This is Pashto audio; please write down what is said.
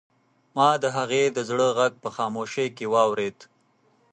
ما د هغې د زړه غږ په خاموشۍ کې واورېد.